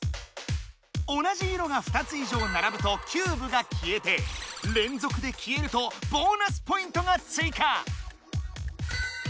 同じ色が２つ以上ならぶとキューブが消えてれんぞくで消えるとボーナスポイントがついか！